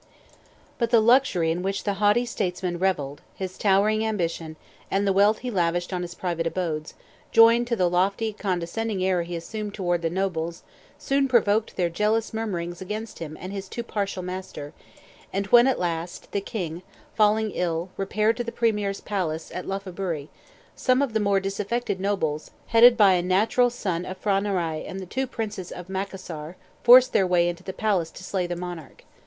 But the luxury in which the haughty statesman revelled, his towering ambition, and the wealth he lavished on his private abodes, joined to the lofty, condescending air he assumed toward the nobles, soon provoked their jealous murmurings against him and his too partial master; and when, at last, the king, falling ill, repaired to the premier's palace at Lophaburee, some of the more disaffected nobles, headed by a natural son of P'hra Narai and the two princes of Macassar, forced their way into the palace to slay the monarch.